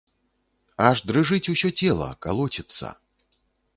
Аж дрыжыць усё цела, калоціцца.